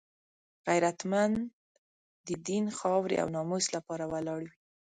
غیرتمند د دین، خاورې او ناموس لپاره ولاړ وي